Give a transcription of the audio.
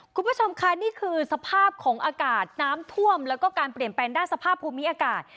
คุณผู้ชมค่ะนี่คือสภาพของอากาศน้ำท่วมแล้วก็การเปลี่ยนแปลงด้านสภาพภูมิอากาศ